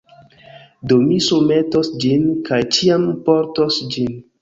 Do mi surmetos ĝin, kaj ĉiam portos ĝin.